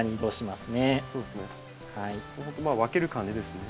まあ分ける感じですね。